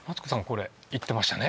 これ言ってましたね